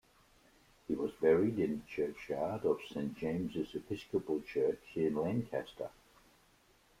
He was buried in the churchyard of Saint James' Episcopal Church in Lancaster.